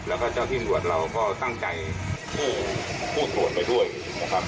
แล้วก็เจ้าที่นวดเราก็ตั้งใจคู่คู่ตรวจไปด้วยนะครับ